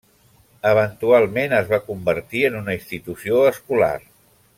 Eventualment es va convertir en una institució escolar.